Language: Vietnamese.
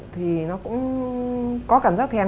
thì nó cũng có cảm giác thèm